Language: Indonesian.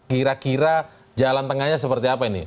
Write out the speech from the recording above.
kira kira jalan tengahnya seperti apa ini